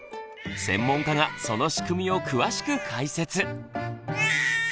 専門家がその仕組みを詳しく解説。